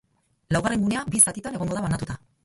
Laugarren gunea bi zatitan egongo da banatuta.